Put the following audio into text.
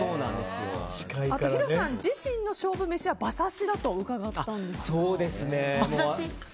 あとヒロさん自身の勝負飯は馬刺しだと伺ったんですが。